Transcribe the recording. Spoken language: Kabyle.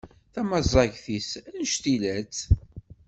Tamaẓagt-is anect-ilatt.